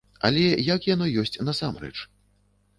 Але як яно ёсць насамрэч?